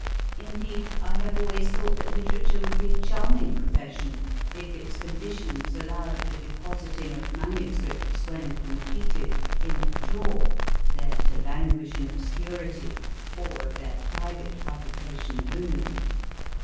Indeed, I have always thought that literature would be a charming profession if its conditions allowed of the depositing of manuscripts, when completed, in a drawer, there to languish in ob scurity, or of their private publication only.